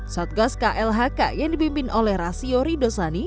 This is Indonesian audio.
satgas klhk yang dibimbing oleh rasiori dosani